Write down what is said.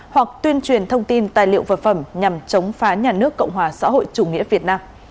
hoặc tuyên truyền thông tin tài liệu vật phẩm nhằm chống phá nhà nước cộng hòa xã hội chủ nghĩa việt nam